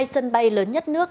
hai sân bay lớn nhất nước